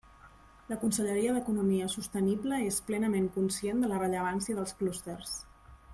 La Conselleria d'Economia Sostenible és plenament conscient de la rellevància dels clústers.